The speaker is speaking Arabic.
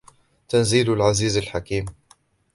تنزيل العزيز الرحيم